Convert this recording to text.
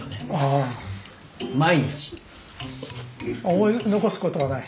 思い残すことはない？